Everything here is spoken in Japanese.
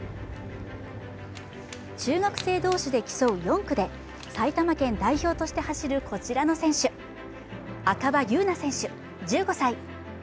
中学生同士で競う４区で埼玉県代表として走るこちらの選手、赤羽優苗選手１５歳。